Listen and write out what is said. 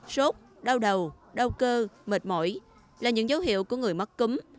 sốt đau đầu đau cơ mệt mỏi là những dấu hiệu của người mắc cúm